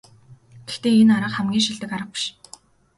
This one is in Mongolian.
Гэхдээ энэ арга хамгийн шилдэг арга биш.